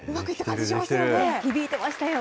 響いてましたよ。